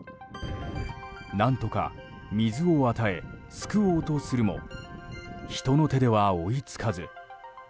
何とか水を与え救おうとするも人の手では追い付かず。